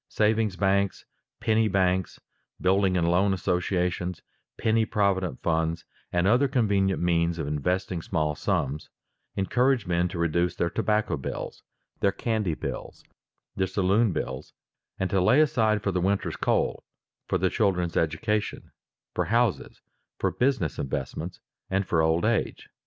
Savings banks, penny banks, building and loan associations, penny provident funds, and other convenient means of investing small sums, encourage men to reduce their tobacco bills, their candy bills, their saloon bills, and to lay aside for the winter's coal, for the children's education, for houses, for business investments, or for old age.